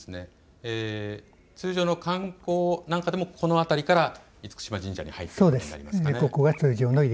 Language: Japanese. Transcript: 通常の観光なんかでもこの辺りから厳島神社に入ることになりますね。